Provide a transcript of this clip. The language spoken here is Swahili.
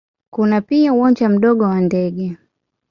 Kuna pia uwanja mdogo wa ndege.